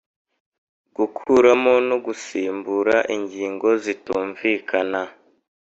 Gukuramo no gusimbura ingingo zitumvikana